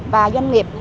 và doanh nghiệp